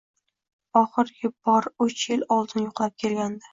Oxirgi bor uch yil oldin yoʻqlab kelgandi.